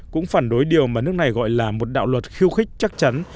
cũng phản đối điều mà nước này gọi là một đạo luật khiêu khích chắc chắn